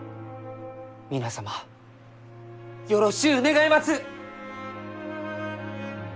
皆様よろしゅう願います！